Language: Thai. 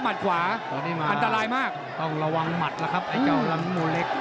หมัดขวาอันตรายมากต้องระวังหมัดนะครับไอ้เจ้าร้ำมูลเล็ก